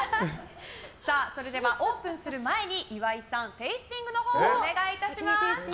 オープンする前に岩井さん、テイスティングをお願いします。